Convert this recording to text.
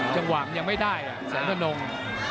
จังหวังยังไม่ได้ศรษนทะโนง